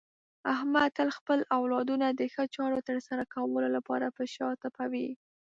احمد تل خپل اولادونو د ښو چارو د ترسره کولو لپاره په شا ټپوي.